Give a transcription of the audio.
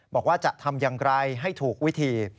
บอกว่าจะทำอย่างไรให้ถูกวิธี